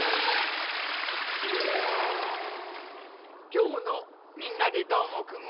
きょうの「みんなＤＥどーもくん！」